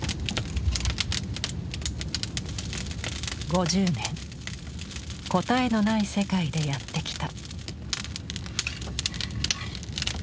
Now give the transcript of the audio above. ５０年答えのない世界でやってきた。